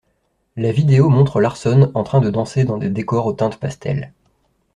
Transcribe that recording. La vidéo montre Larsson en train de danser dans des décors aux teintes pastel.